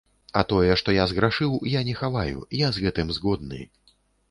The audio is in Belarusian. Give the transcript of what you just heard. А тое, што я зграшыў, я не хаваю, я з гэтым згодны.